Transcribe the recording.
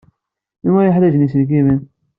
Anwa ay yeḥwajen iselkimen?